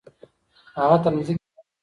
هغه تر مځکي لاندي یو زوړ خمره پیدا کړه.